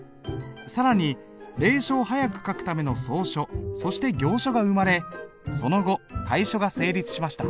更に隷書を速く書くための草書そして行書が生まれその後楷書が成立しました。